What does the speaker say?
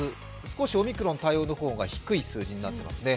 少しオミクロン対応の方が低い数字が出ていますね。